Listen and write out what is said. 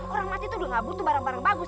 orang mati tuh udah gak butuh barang barang bagus